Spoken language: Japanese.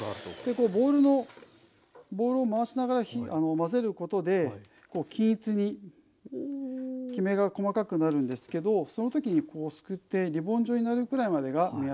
こうボウルを回しながら混ぜることで均一にきめが細かくなるんですけどそのときにすくってリボン状になるくらいまでが目安になります。